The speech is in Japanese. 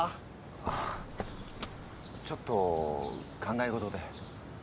ああちょっと考え事で。